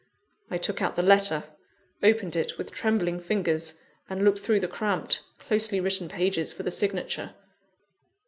I took out the letter, opened it with trembling fingers, and looked through the cramped, closely written pages for the signature.